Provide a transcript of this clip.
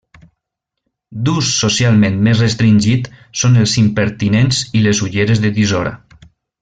D'ús socialment més restringit són els impertinents i les ulleres de tisora.